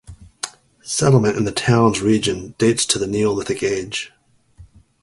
Settlement in the town's region dates to the Neolithic age.